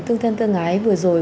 tương thân tương ái vừa rồi